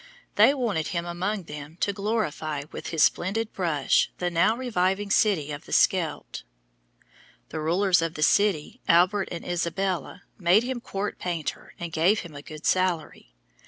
They wanted him among them to glorify with his splendid brush the now reviving city of the Scheldt. The rulers of the city, Albert and Isabella, made him court painter and gave him a good salary.